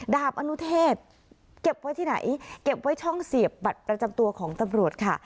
ดาบอนุเทศเก็บไว้ที่ไหนเก็บไว้ช่องเสียบบัตรประจำตัวของตำรวจค่ะ